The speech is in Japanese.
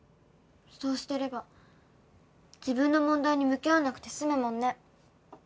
そうしていれば自分の問題に向き合わなくて済むもんね。